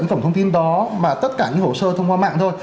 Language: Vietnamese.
cái tổng thông tin đó mà tất cả những hồ sơ thông qua mạng thôi